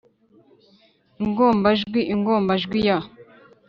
ingombajwi ingombajwi y,